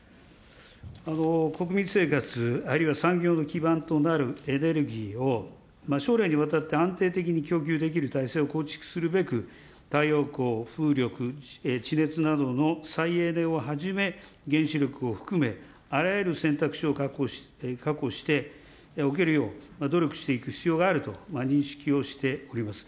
国民生活、あるいは産業の基盤となるエネルギーを、将来にわたって安定的に供給できる体制を構築するべく、太陽光、風力、地熱などの再エネをはじめ、原子力を含め、あらゆる選択肢を確保しておけるよう努力していく必要があると認識をしております。